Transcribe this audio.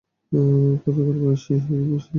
যতির বয়স বিশের কোঠায়।